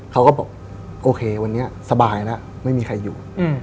เขาก็บอกโอเควันนี้สบายแล้วไม่มีใครอยู่